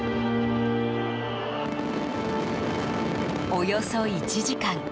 およそ１時間。